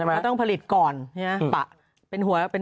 แล้วต้องผลิตก่อน